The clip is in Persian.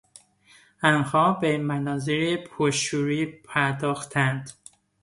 آنها به مناظرهی پر شوری پرداختند.